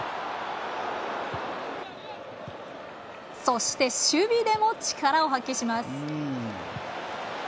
そして、守備でも力を発揮します。